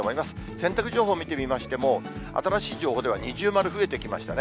洗濯情報見てみましても、新しい情報では二重丸増えてきましたね。